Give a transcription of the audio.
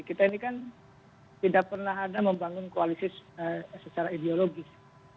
kita ini kan tidak pernah ada membangun koalisi secara ideologis